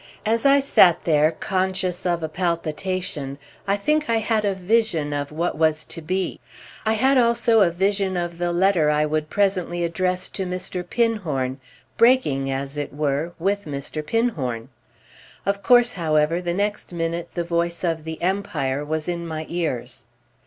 As I sat there conscious of a palpitation I think I had a vision of what was to be. I had also a vision of the letter I would presently address to Mr. Pinhorn, breaking, as it were, with Mr. Pinhorn. Of course, however, the next minute the voice of The Empire was in my ears.